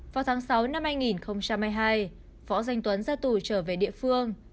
vào tháng sáu năm hai nghìn hai mươi hai phó danh tuấn ra tù trở về địa phương